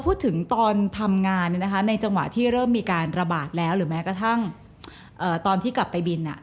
พูดถึงตอนทำงานในจังหวะที่เริ่มมีการระบาดแล้วหรือแม้กระทั่งตอนที่กลับไปบิน